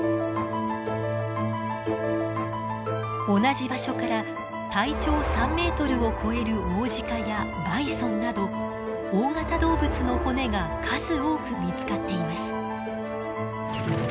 同じ場所から体長３ｍを超えるオオジカやバイソンなど大型動物の骨が数多く見つかっています。